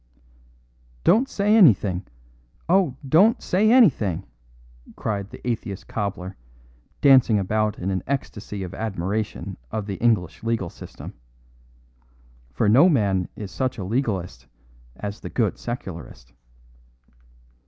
"Don't say anything! Oh, don't say anything," cried the atheist cobbler, dancing about in an ecstasy of admiration of the English legal system. For no man is such a legalist as the good Secularist.